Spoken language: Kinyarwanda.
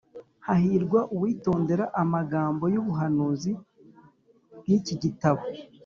Hahirwa uwitondera amagambo y’ubuhanuzi bw’iki gitabo.”